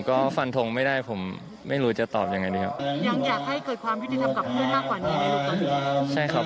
อ๋อผมก็ฟันทงไม่ได้ผมไม่รู้จะตอบยังไงดีครับ